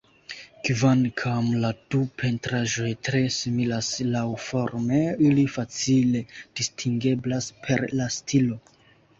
Kvankam la du pentraĵoj tre similas laŭforme, ili facile distingeblas per la stilo.